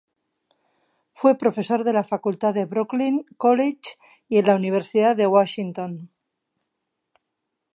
Fue profesor de la Facultad de Brooklyn College y en la Universidad de Washington.